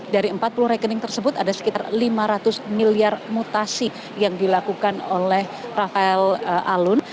dari empat puluh rekening tersebut ada sekitar lima ratus miliar mutasi yang dilakukan oleh rafael alun